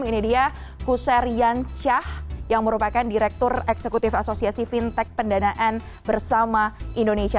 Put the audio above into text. ini dia kuseryan syah yang merupakan direktur eksekutif asosiasi fintech pendanaan bersama indonesia